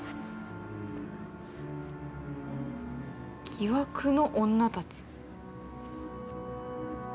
疑惑の女たち。